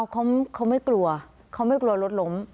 เขาไม่กลัวรถล้ม